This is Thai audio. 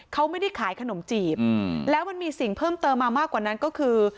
เขาไม่ได้ขายขนมจีบแล้วมันมีสิ่งเพิ่มเติมมามากกว่านั้นก็คือ